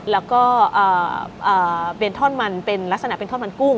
แล้วก็เป็นลักษณะทอดมันกุ้ง